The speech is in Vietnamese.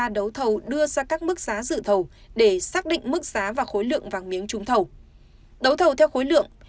đấu thầu theo khối lượng